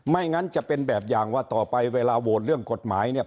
งั้นจะเป็นแบบอย่างว่าต่อไปเวลาโหวตเรื่องกฎหมายเนี่ย